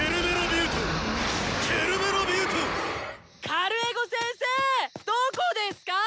カルエゴせんせーどこですか？